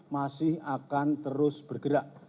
masih akan terus bergerak